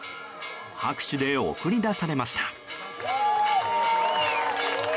拍手で送り出されました。